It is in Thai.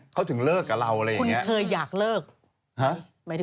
เขาถึงเลิกกับเราอะไรอย่างงี้